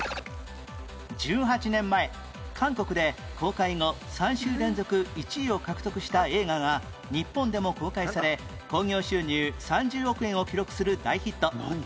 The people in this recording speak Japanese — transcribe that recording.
１８年前韓国で公開後３週連続１位を獲得した映画が日本でも公開され興行収入３０億円を記録する大ヒット